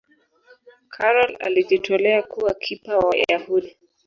karol alijitolea kuwa kipa wa Wayahudi